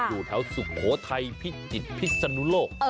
อยู่แถวสุโขทัยพิจิตรพิศนุโลก